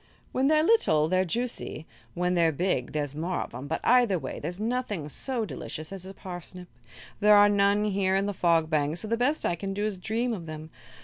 "When they're little, they're juicy; when they're big, there's more of 'em; but either way there's nothing so delicious as a parsnip. There are none here in the Fog Bank, so the best I can do is dream of them.